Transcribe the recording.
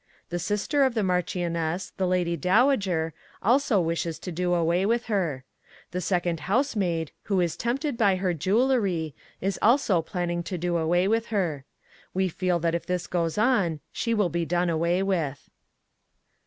The sister of the Marchioness, the Lady Dowager, also wishes to do away with her. The second housemaid who is tempted by her jewellery is also planning to do away with her. We feel that if this goes on she will be done away with.